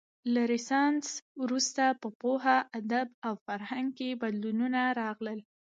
له رنسانس وروسته په پوهه، ادب او فرهنګ کې بدلونونه راغلل.